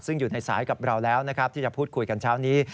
ซึ่งอยู่ในสายกับเราแล้วนะครับที่จะพูดคุยกันเช้านี้